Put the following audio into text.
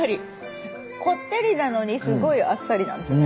こってりなのにすごいあっさりなんですよね。